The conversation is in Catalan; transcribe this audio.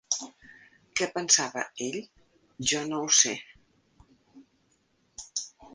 Què pensava ell, jo no ho sé.